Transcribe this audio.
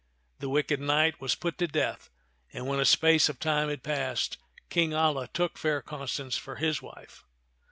The wicked knight was put to death; and when a space of time had passed, King Alia took fair Con stance for his wife.